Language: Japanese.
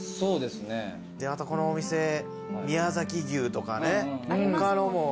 であとこのお店宮崎牛とかね他のも。